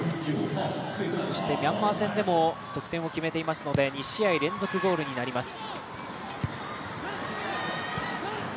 そしてミャンマー戦でも得点を決めていますので２試合連続ゴールになります。